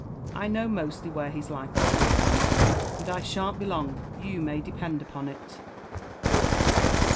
^l know mostly where he's likely to ha found, and I shan't be long, you may depend upon it